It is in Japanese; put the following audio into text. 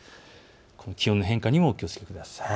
この気温の変化にもお気をつけください。